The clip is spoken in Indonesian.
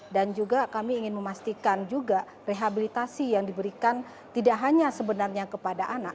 dan juga kami ingin memastikan juga rehabilitasi yang diberikan tidak hanya sebenarnya kepada anak